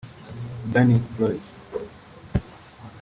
Danny Flores